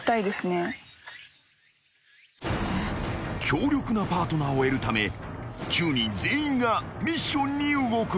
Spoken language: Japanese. ［強力なパートナーを得るため９人全員がミッションに動く］